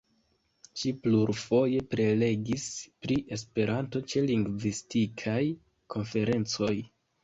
Ŝi plurfoje prelegis pri Esperanto ĉe lingvistikaj konferencoj.